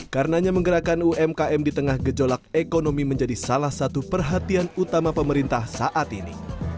karenanya menggerakkan umkm di tengah gejolak ekonomi menjadi salah satu perhatian utama pemerintah saat ini